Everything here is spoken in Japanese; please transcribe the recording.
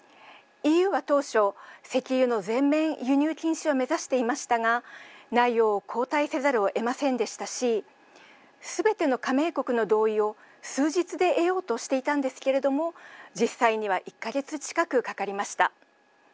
ＥＵは当初石油の全面輸入禁止を目指していましたが内容を後退せざるをえませんでしたしすべての加盟国の同意を数日で得ようとしていたんですけれども実際には１か月近くかかりました。